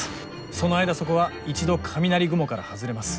その間そこは一度雷雲から外れます。